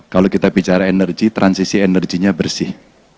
kalau kita bicara energi transisi energinya bersih